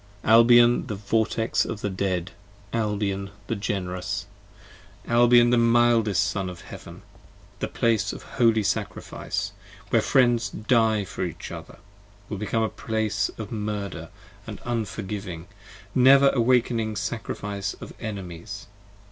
Albion the Vortex of the Dead! Albion the Generous! 55 Albion the mildest son of Heaven! The Place of Holy Sacrifice! Where Friends Die for each other: will become the Place Of Murder, & Unforgiving, Never awaking Sacrifice of Enemies.